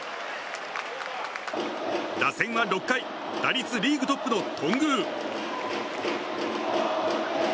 打線は６回打率リーグトップの頓宮。